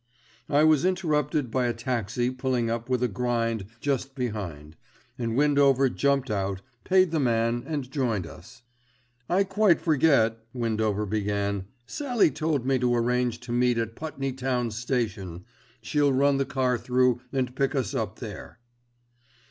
I was interrupted by a taxi pulling up with a grind just behind, and Windover jumped out, paid the man and joined us. "I quite forget," Windover began. "Sallie told me to arrange to meet at Putney Town Station, she'll run the car through and pick us up there."